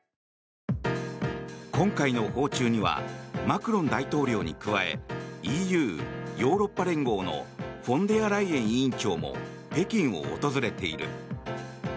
今回の訪中にはマクロン大統領に加えＥＵ・ヨーロッパ連合のフォンデアライエン委員長も北京を訪れている。